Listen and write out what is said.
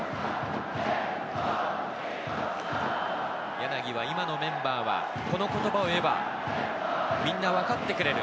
柳は今のメンバーは、この言葉を言えばみんな分かってくれる。